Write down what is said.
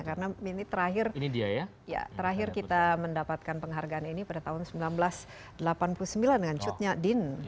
karena ini terakhir kita mendapatkan penghargaan ini pada tahun seribu sembilan ratus delapan puluh sembilan dengan cutnya dean